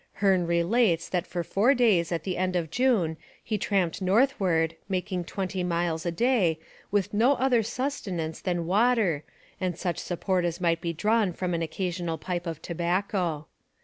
Hearne relates that for four days at the end of June he tramped northward, making twenty miles a day with no other sustenance than water and such support as might be drawn from an occasional pipe of tobacco.